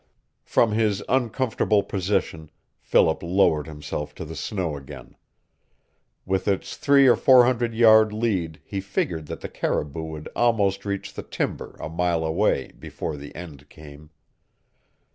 From his uncomfortable position Philip lowered himself to the snow again. With its three or four hundred yard lead he figured that the caribou would almost reach the timber a mile away before the end came.